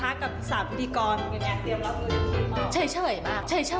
แม่ยังมีทำไมโกรธว่าเขาไม่ทำอะไรเขาไม่บอกฉันอ่ะ